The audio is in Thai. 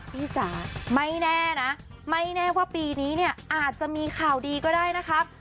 จ๋าไม่แน่นะไม่แน่ว่าปีนี้เนี่ยอาจจะมีข่าวดีก็ได้นะครับ